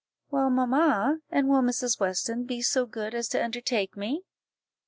"Well, mamma, and will Mrs. Weston be so good as to undertake me?"